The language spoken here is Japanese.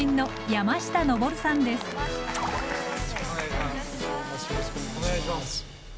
よろしくお願いします。